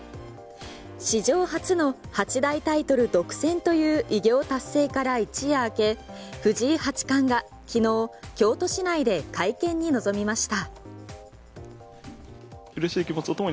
史上初の八大タイトル独占という偉業達成から一夜明け藤井八冠が昨日京都市内で会見に臨みました。